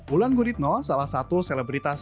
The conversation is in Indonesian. ulan guritno salah satu selebritas